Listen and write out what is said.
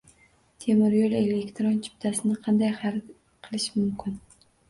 Temir yo‘l elektron chiptasini qanday xarid qilish mumkin?